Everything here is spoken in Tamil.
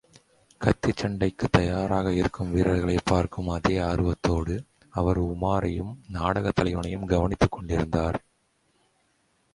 கத்திச் சண்டைக்குத் தயாராக இருக்கும் வீரர்களைப் பார்க்கும் அதே ஆர்வத்தோடு, அவர் உமாரையும், நாடகத் தலைவனையும் கவனித்துக் கொண்டிருந்தார்.